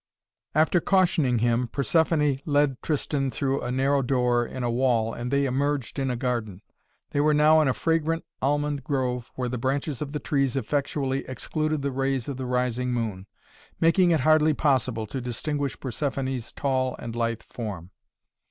After cautioning him, Persephoné led Tristan through a narrow door in a wall and they emerged in a garden. They were now in a fragrant almond grove where the branches of the trees effectually excluded the rays of the rising moon, making it hardly possible to distinguish Persephoné's tall and lithe form.